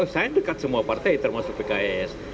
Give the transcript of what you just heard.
saya dekat semua partai termasuk pks